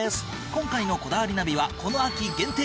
今回の『こだわりナビ』はこの秋限定！